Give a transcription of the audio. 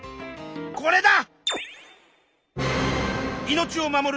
これだ！